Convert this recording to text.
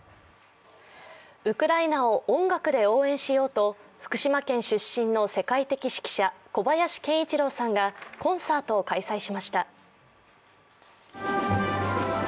ウクライナを音楽で応援しようと、福島県出身の世界的指揮者小林研一郎さんがコンサートを開催しました。